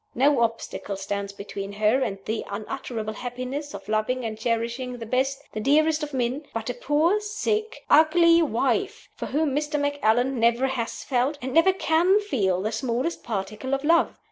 No obstacle stands between her and "the unutterable happiness of loving and cherishing the best, the dearest of men" but a poor, sick, ugly wife, for whom Mr. Macallan never has felt, and never can feel, the smallest particle of love.